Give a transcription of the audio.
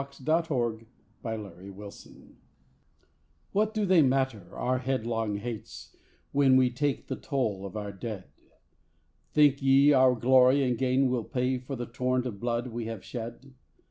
_ The Song of the Pacifist What do they matter, our headlong hates, when we take the toll of our Dead? Think ye our glory and gain will pay for the torrent of blood we have shed?